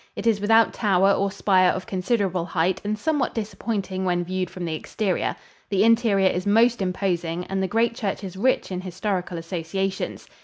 It is without tower or spire of considerable height and somewhat disappointing when viewed from the exterior. The interior is most imposing and the great church is rich in historical associations.